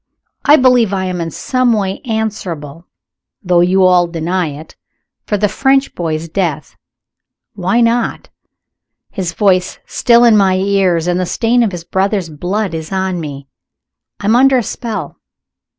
"I believe I am in some way answerable though you all deny it for the French boy's death. Why not? His voice is still in my ears, and the stain of his brother's blood is on me. I am under a spell!